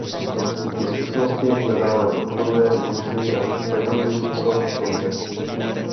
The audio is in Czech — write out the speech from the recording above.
Díky zkušenosti nadále podporuje Gruzii na Eurovision Song Contest.